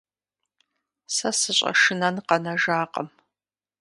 Сэ сыщӏэшынэн къэнэжакъым.